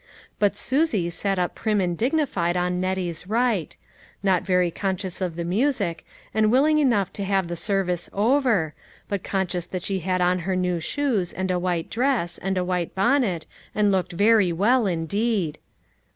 But Susie sat up prim and dignified on Nettie's right ; not very conscious of the music, 358 LITTLE FISHERS: AND THEIB NETS. and willing enough to have the service over, but conscious that she had on her new shoes, and a white dress, and a white bonnet, and looked very well indeed.